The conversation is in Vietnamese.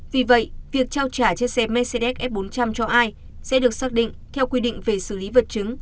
vì vậy việc trao trả trên xe mercedes f bốn trăm linh cho ai sẽ được xác định theo quy định về xử lý vật chứng